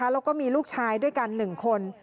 แล้วก็มีลูกชายด้วยกัน๑คน